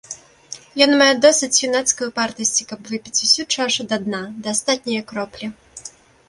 Ён мае досыць юнацкай упартасці, каб выпіць усю чашу да дна, да астатняе кроплі!